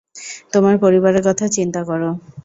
তোমার পরিবারের কথা চিন্তা করো!